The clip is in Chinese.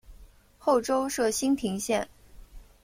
后周设莘亭县。